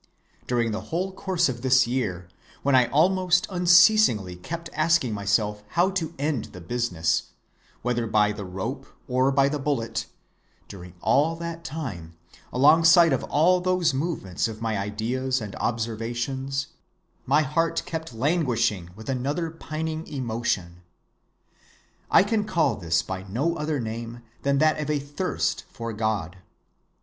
During the whole course of this year, when I almost unceasingly kept asking myself how to end the business, whether by the rope or by the bullet, during all that time, alongside of all those movements of my ideas and observations, my heart kept languishing with another pining emotion. I can call this by no other name than that of a thirst for God.